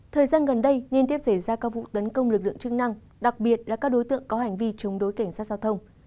thời gian gần đây liên tiếp xảy ra các vụ tấn công lực lượng chức năng đặc biệt là các đối tượng có hành vi chống đối cảnh sát giao thông